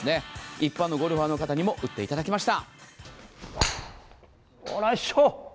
一般のゴルファーの方にも見ていただきました。